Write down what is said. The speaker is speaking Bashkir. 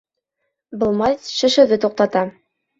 Был мазь шешеүҙе туҡтата